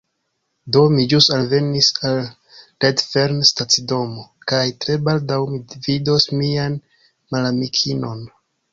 Do, mi ĵus alvenis al Redfern stacidomo kaj tre baldaŭ mi vidos mian malamikinon